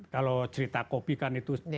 kalau cerita kopi kan itu